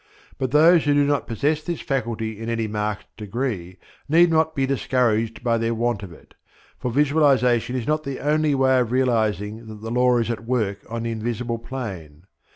But those who do not possess this faculty in any marked degree, need not be discouraged by their want of it, for visualization is not the only way of realizing that the law is at work on the invisible plane.